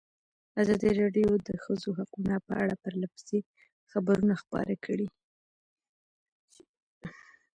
ازادي راډیو د د ښځو حقونه په اړه پرله پسې خبرونه خپاره کړي.